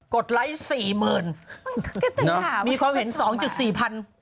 กดไลค์๔หมื่นมีความเห็น๒๔พัน